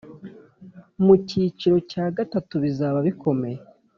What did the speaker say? mu cyiciro cya gatatu bizaba bikomeye